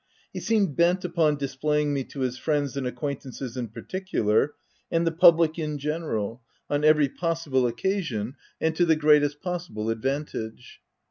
He seemed bent upon displaying me to his friends and acquaintances in particular, and the public in general, on every possible occasion and f 2 100 THE TENANT to the greatest possible advantage.